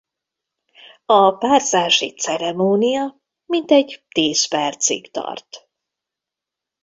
A párzási ceremónia mintegy tíz percig tart.